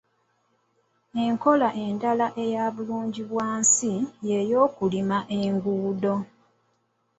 Enkola endala eya bulungibwansi ye y'okulima enguudo.